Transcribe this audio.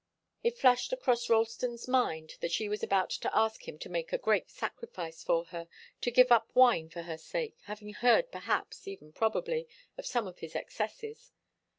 It flashed across Ralston's mind that she was about to ask him to make a great sacrifice for her, to give up wine for her sake, having heard, perhaps even probably of some of his excesses.